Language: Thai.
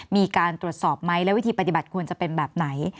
มีการตรวจสอบไหมและวิธีปฏิบัติควรจะเป็นแบบไหน